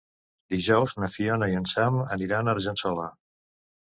Dijous na Fiona i en Sam aniran a Argençola.